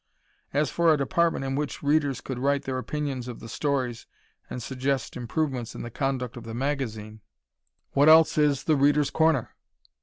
'" As for a department in which readers could write their opinions of the stories and suggest improvements in the conduct of the magazine, what else is "The Readers' Corner?"